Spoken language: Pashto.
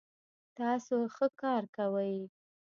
تاسو ښه کار کوئ